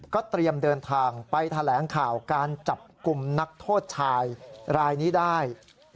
เตรียมเดินทางไปแถลงข่าวการจับกลุ่มนักโทษชายรายนี้ได้